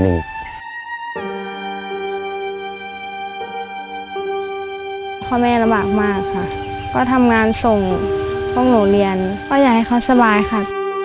ค่ะพ่อแม่ระบาดมากค่ะก็ทำงานส่งเขาโบราณก็อย่างให้เขาสบายค่ะ